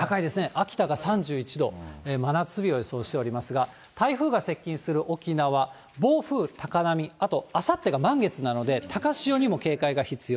秋田が３１度、真夏日を予想しておりますが、台風が接近する沖縄、暴風、高波、あと、あさってが満月なので、高潮にも警戒が必要。